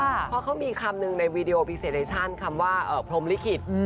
เพราะเขามีคำหนึ่งในวีดีโอพิเศษในช่างคำว่าเอ่อพรมลิขิตอืม